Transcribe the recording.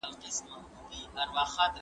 زما په شان سي څوک آواز پورته کولای